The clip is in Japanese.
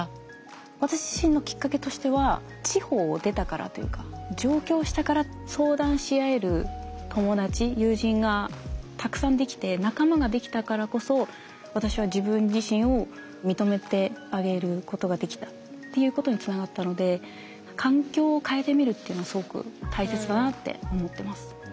私自身のきっかけとしては地方を出たからというか上京したから相談し合える友達友人がたくさんできて仲間ができたからこそ私は自分自身を認めてあげることができたっていうことにつながったので環境を変えてみるっていうのはすごく大切だなって思ってます。